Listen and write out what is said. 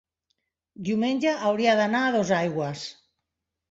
Diumenge hauria d'anar a Dosaigües.